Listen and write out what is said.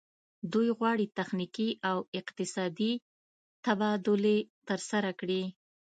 دوی غواړي تخنیکي او اقتصادي تبادلې ترسره کړي